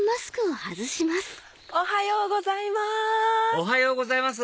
おはようございます。